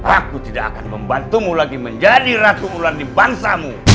aku tidak akan membantumu lagi menjadi ratu ular di bangsamu